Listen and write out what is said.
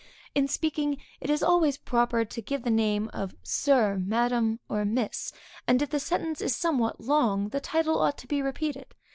In speaking, it is always proper to give the name of Sir, Madam, or Miss, and if the sentence is somewhat long, the title ought to be repeated.